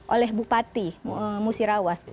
oleh bupati musirawas